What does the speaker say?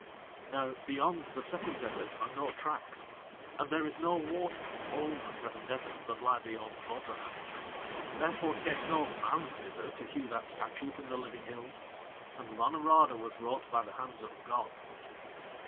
Now, beyond the second desert are no tracks, and there is no water in all the seven deserts that lie beyond Bodrahan. Therefore came no man thither to hew that statue from the living hills, and Ranorada was wrought by the hands of gods.